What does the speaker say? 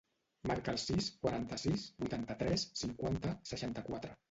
Marca el sis, quaranta-sis, vuitanta-tres, cinquanta, seixanta-quatre.